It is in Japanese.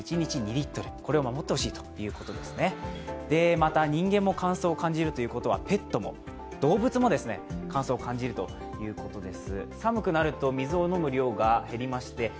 また人間も乾燥を感じるということはペットも、動物も乾燥を感じるということです。